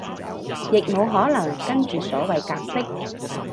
亦無可能跟住所謂格式